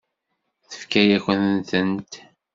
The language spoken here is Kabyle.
Tefka-yakent-tent.